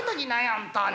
本当に。